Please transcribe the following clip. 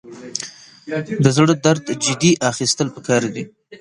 د زړه درد جدي اخیستل پکار دي.